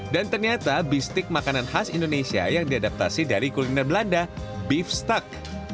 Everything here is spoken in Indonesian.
ternyata bistik makanan khas indonesia yang diadaptasi dari kuliner belanda beef stuck